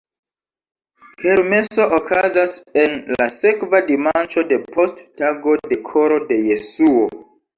Kermeso okazas en la sekva dimanĉo depost tago de Koro de Jesuo.